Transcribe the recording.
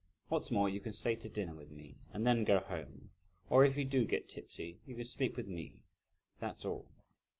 What's more, you can stay to dinner with me, and then go home; or if you do get tipsy, you can sleep with me, that's all."